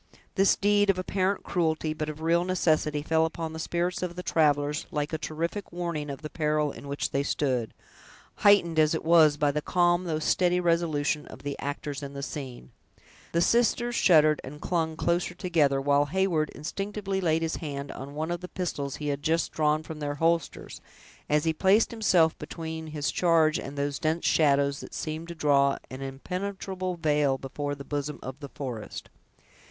This deed of apparent cruelty, but of real necessity, fell upon the spirits of the travelers like a terrific warning of the peril in which they stood, heightened as it was by the calm though steady resolution of the actors in the scene. The sisters shuddered and clung closer to each other, while Heyward instinctively laid his hand on one of the pistols he had just drawn from their holsters, as he placed himself between his charge and those dense shadows that seemed to draw an impenetrable veil before the bosom of the forest.